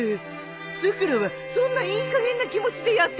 さくらはそんないいかげんな気持ちでやってたのかい？